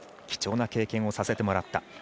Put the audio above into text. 貴重な経験をさせてもらった。